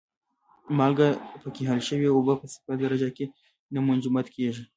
مالګه پکې حل شوې اوبه په صفر درجه کې نه منجمد کیږي.